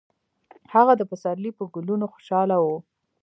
هغه د پسرلي په ګلونو خوشحاله و.